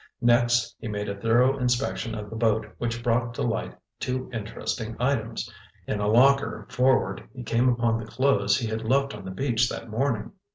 Next, he made a thorough inspection of the boat which brought to light two interesting items. In a locker forward he came upon the clothes he had left on the beach that morning.